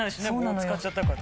使っちゃったから。